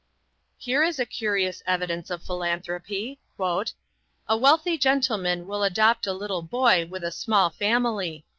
Here is a curious evidence of philanthropy: "A wealthy gentleman will adopt a little boy with a small family."